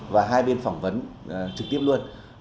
và hai bên phỏng vấn trực tiếp luôn